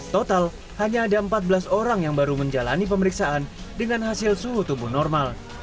total hanya ada empat belas orang yang baru menjalani pemeriksaan dengan hasil suhu tubuh normal